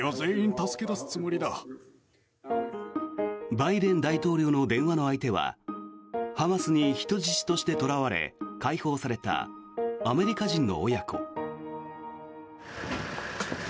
バイデン大統領の電話の相手はハマスに人質として捕らわれ解放されたアメリカ人の親子。